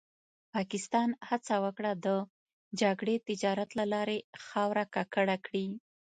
پاکستان هڅه وکړه د جګړې تجارت له لارې خاوره ککړه کړي.